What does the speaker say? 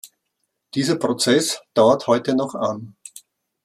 Dieser Prozess dauert heute noch an.